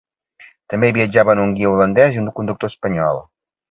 També hi viatjaven un guia holandès i un conductor espanyol.